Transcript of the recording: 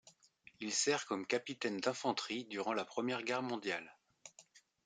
Il sert comme capitaine d'infanterie durant la Première Guerre mondiale.